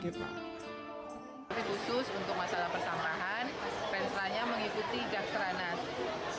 kepa khusus untuk masalah persampahan penselannya mengikuti jakteranas